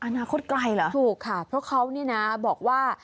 อนาคตไกลเหรอถูกค่ะเพราะเขานี่นะบอกว่า